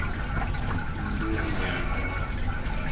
Um dhogi nyako